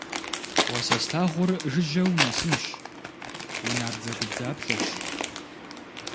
Уэ сэ слъагъур жыжьэ унэсынщ, унабдзэгубдзаплъэщ!